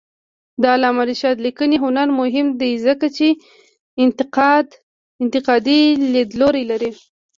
د علامه رشاد لیکنی هنر مهم دی ځکه چې انتقادي لیدلوری لري.